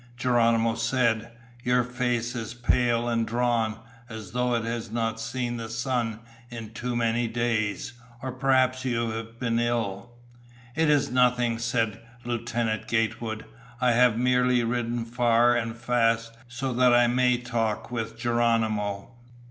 Geronimo said, "Your face is pale and drawn, as though it has not seen the sun in too many days. Or perhaps you have been ill?" "It is nothing," said Lieutenant Gatewood. "I have merely ridden far and fast so that I may talk with Geronimo."